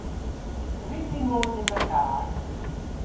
A wrug vy mos yn dha garr?